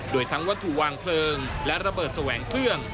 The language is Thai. โดยทั้งวัตถุวางเพลิงและระเบิดแสวงเครื่อง